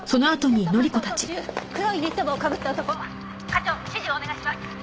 「課長指示をお願いします」